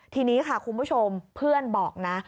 ทีนี้ค่ะคุณผู้ชมเพื่อนบอกนะ